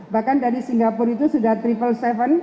bahkan dari singapura itu sudah terbang